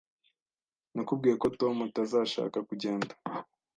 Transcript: Nakubwiye ko Tom atazashaka kugenda.